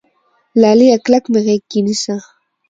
لاليه کلک مې غېږ کې نيسه